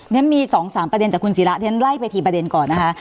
เนี้ยมีสองสามประเด็นจากคุณศิราเรียนไล่ไปทีประเด็นก่อนนะคะ